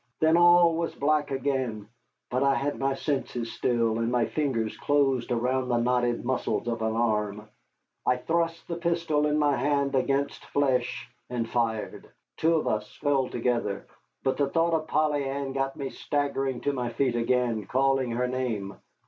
Then all was black again, but I had my senses still, and my fingers closed around the knotted muscles of an arm. I thrust the pistol in my hand against flesh, and fired. Two of us fell together, but the thought of Polly Ann got me staggering to my feet again, calling her name.